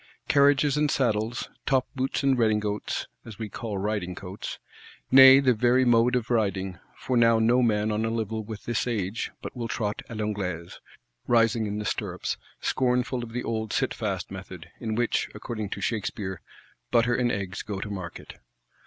Carriages and saddles; top boots and rédingotes, as we call riding coats. Nay the very mode of riding: for now no man on a level with his age but will trot à l'Anglaise, rising in the stirrups; scornful of the old sitfast method, in which, according to Shakspeare, "butter and eggs" go to market.